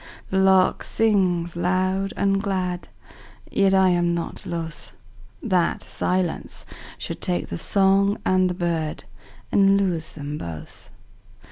The lark sings loud and glad, Yet I am not lothThat silence should take the song and the birdAnd lose them both.